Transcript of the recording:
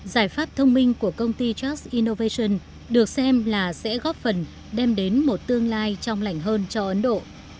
giải pháp thông minh của công ty chuas innovation được xem là sẽ góp phần đem đến một tương lai trong lành hơn cho ấn độ